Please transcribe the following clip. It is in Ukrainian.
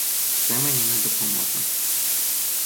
Це мені не допоможе.